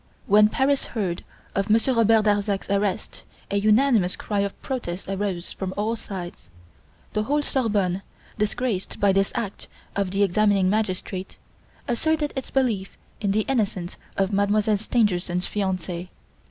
When Paris heard of Monsieur Robert Darzac's arrest a unanimous cry of protest arose from all sides. The whole Sorbonne, disgraced by this act of the examining magistrate, asserted its belief in the innocence of Mademoiselle Stangerson's fiance.